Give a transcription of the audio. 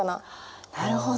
なるほど。